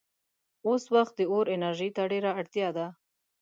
اوس وخت د اور انرژۍ ته ډېره اړتیا ده.